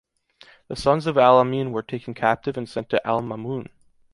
The sons of Al-Amîn were taken captive and sent to Al-Ma'mûn.